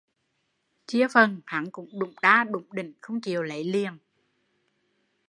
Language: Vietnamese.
Chia phần, hắn cũng đủng đa đủng đỉnh không chịu lấy liền